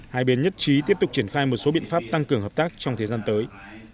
hai bên nhất trí tiếp tục triển khai một số biện pháp tăng cường hợp tác trong thời gian tới